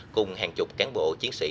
cùng hàng chục cán bộ chiến sĩ